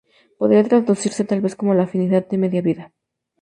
Podría traducirse tal vez como "La afinidad de media vida".